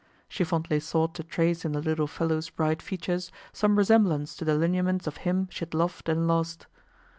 She fondly sought to trace in the little fellow's bright features some resemblance to the lineaments of him she had loved and lost.